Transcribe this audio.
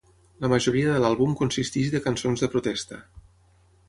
La majoria de l'àlbum consisteix de cançons de protesta.